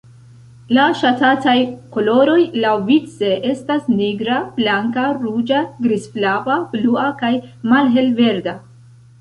La ŝatataj koloroj laŭvice estas nigra, blanka, ruĝa, grizflava, blua kaj malhelverda.